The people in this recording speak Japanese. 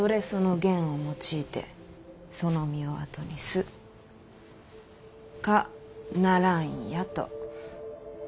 言を用いて其の身を後にす可ならんや」と。